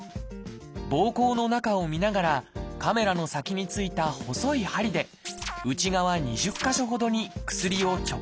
ぼうこうの中を見ながらカメラの先についた細い針で内側２０か所ほどに薬を直接注射します。